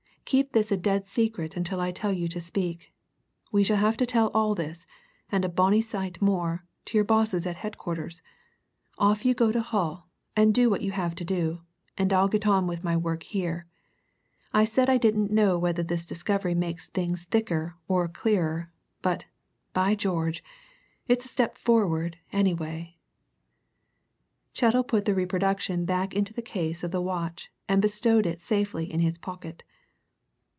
Keep this a dead secret until I tell you to speak we shall have to tell all this, and a bonny sight more, to your bosses at headquarters off you go to Hull, and do what you have to do, and I'll get on with my work here. I said I didn't know whether this discovery makes things thicker or clearer, but, by George, it's a step forward anyway!" Chettle put the reproduction back into the case of the watch and bestowed it safely in his pocket.